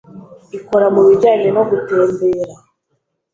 ikora mu bijyanye no gutembera,